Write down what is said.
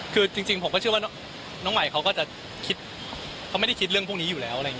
คือจริงผมก็เชื่อว่าน้องใหม่เขาไม่ได้คิดเรื่องพวกนี้อยู่แล้ว